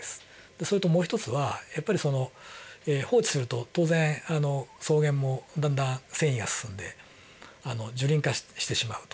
それともう一つはやっぱり放置すると当然草原もだんだん遷移が進んで樹林化してしまうと。